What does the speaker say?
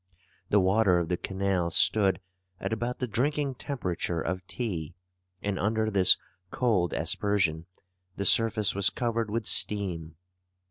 The water of the canal stood at about the drinking temperature of tea; and under this cold aspersion, the surface was covered with steam.